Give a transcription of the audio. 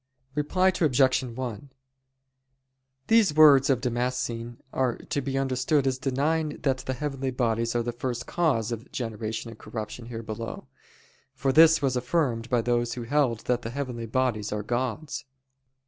Reply Obj. 1: These words of Damascene are to be understood as denying that the heavenly bodies are the first cause of generation and corruption here below; for this was affirmed by those who held that the heavenly bodies are gods.